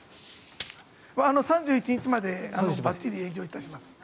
３１日までばっちり営業いたします。